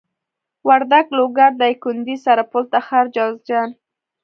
وردک لوګر دايکندي سرپل تخار جوزجان